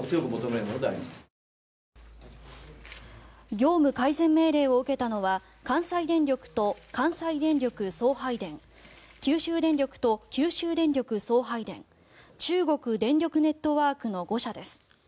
業務改善命令を受けたのは関西電力と関西電力送配電九州電力と九州電力送配電中国電力ネットワークの５社です。